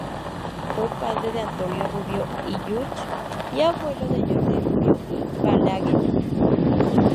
Fue padre de Antonio Rubió y Lluch y abuelo de Jordi Rubió i Balaguer.